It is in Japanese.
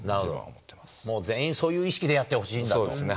全員そういう意識でやってほしいんだと。